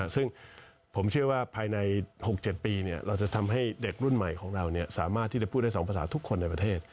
ซึ่งผมเชื่อว่าภายใน๖๗ปีเราจะทำให้เด็กรุ่นใหม่ของเราสามารถที่จะพูดได้๒ภาษาทุกคนในประเทศ